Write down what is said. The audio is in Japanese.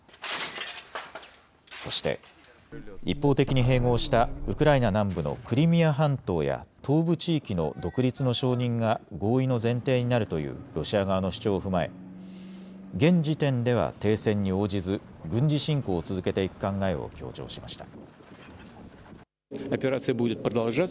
そして、一方的に併合したウクライナ南部のクリミア半島や東部地域の独立の承認が合意の前提になるというロシア側の主張を踏まえ現時点では停戦に応じず軍事侵攻を続けていく考えを強調しました。